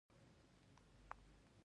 ډیزاین د یو نوي شي جوړولو ته وایي.